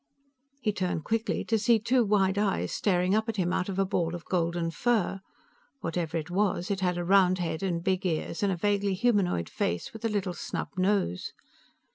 He turned quickly to see two wide eyes staring up at him out of a ball of golden fur. Whatever it was, it had a round head and big ears and a vaguely humanoid face with a little snub nose.